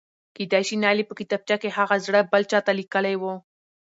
کېدای شي نايلې په کتابچه کې هغه زړه بل چاته لیکلی و.؟؟